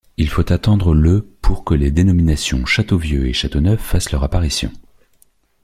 Il faut attendre le pour que les dénominations Château-Vieux et Château-Neuf fassent leur apparition.